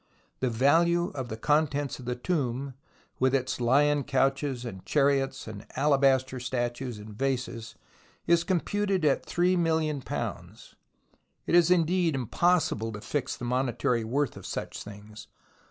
The value of the contents of the tomb, with its lion couches and chariots and alabaster statues and vases, is computed at £3,000,000, It is indeed impossible to fix the monetary worth of such things.